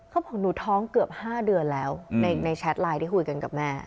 เขาบอกหนูท้องเกือบ๕เดือนแล้วในแชทไลน์ที่คุยกันกับแม่